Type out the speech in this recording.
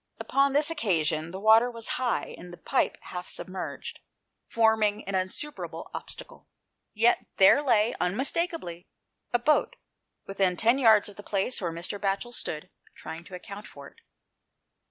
Upon this occasion the water was high, and the pipe half submerged, forming an 162 THE PLACE OF SAFETY. insuperable obstacle. Yet there lay, unmistake ably, a boat, within ten yards of the place where Mr. Batchel stood trying to account for it.